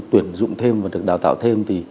tuyển dụng thêm và được đào tạo thêm